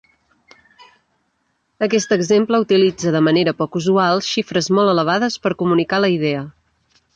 Aquest exemple utilitza, de manera poc usual, xifres molt elevades per comunicar la idea.